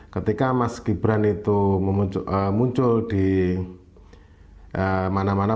ketika mas gibran itu muncul di mana mana